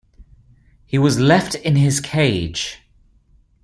He was left in his cage.